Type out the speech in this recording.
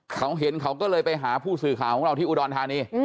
เขาเห็นเขาก็เลยไปหาผู้สื่อข่าวของเราที่อุดรธานี